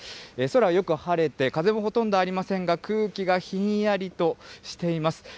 空はよく晴れて、風もほとんどありませんが、空気がひんやりとしています。